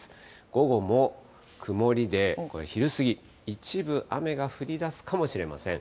午後も曇りで、昼過ぎ、一部雨が降りだすかもしれません。